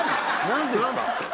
何ですか？